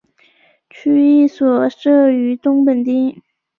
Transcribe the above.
区役所设于东本町。